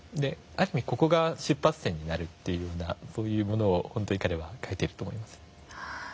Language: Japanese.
ある意味ここが出発点になるというそういうものを本当に彼は書いていると思います。